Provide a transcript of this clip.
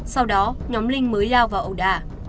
sau đó nhóm linh mới lao vào ẩu đả